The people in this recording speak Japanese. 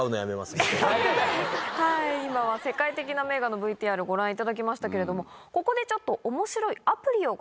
はい今は世界的な名画のＶＴＲご覧いただきましたけれどもここでちょっと面白い。